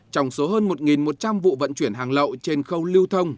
trong số hơn một một trăm linh vụ vận chuyển hàng lậu trên khâu lưu thông